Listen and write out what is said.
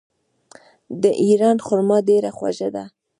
د ایران خرما ډیره خوږه ده.